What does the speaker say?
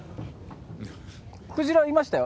クジラいましたよ。